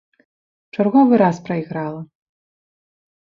І ў чарговы раз прайграла.